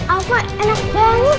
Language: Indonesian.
afwan enak banget